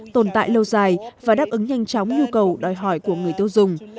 tồn tại lâu dài và đáp ứng nhanh chóng nhu cầu đòi hỏi của người tiêu dùng